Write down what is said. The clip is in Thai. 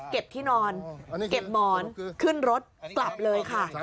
ที่นอนเก็บหมอนขึ้นรถกลับเลยค่ะ